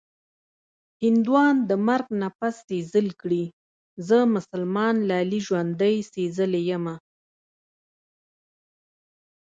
هندوان د مرګ نه پس سېزل کړي-زه مسلمان لالي ژوندۍ سېزلې یمه